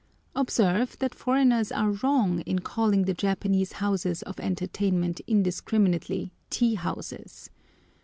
Observe that foreigners are wrong in calling the Japanese houses of entertainment indiscriminately "tea houses."